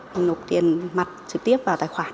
mình nộp tiền mặt trực tiếp vào tài khoản